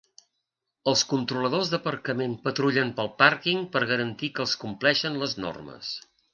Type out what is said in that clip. Els controladors d'aparcament patrullen pel pàrquing per garantir que es compleixen les normes.